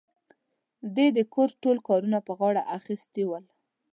دې د کور ټول کارونه په غاړه اخيستي ول.